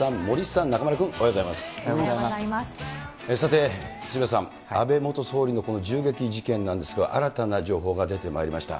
さて、渋谷さん、安倍元総理の、この銃撃事件なんですが、新たな情報が出てまいりました。